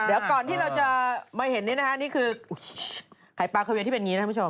เดี๋ยวก่อนที่เราจะมาเห็นนี่นะคะนี่คือไข่ปลาเคียที่เป็นอย่างนี้นะคุณผู้ชม